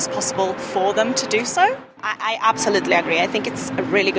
saya benar benar setuju saya pikir ini ide yang sangat baik